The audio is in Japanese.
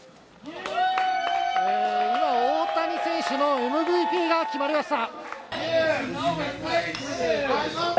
今、大谷選手のＭＶＰが決まりました。